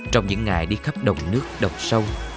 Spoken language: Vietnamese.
trong những ngày đi khắp đồng nước đồng sông